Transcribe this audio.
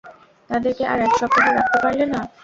তাদেরকে আর এক সপ্তাহ রাখতে পারলে না।